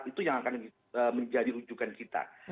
itu yang akan menjadi rujukan kita